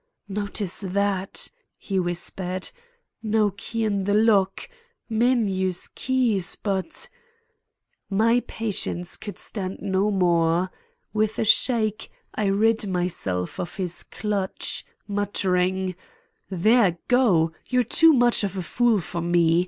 "Notice that," he whispered. "No key in the lock! Men use keys but—" My patience could stand no more. With a shake I rid myself of his clutch, muttering: "There, go! You're too much of a fool for me.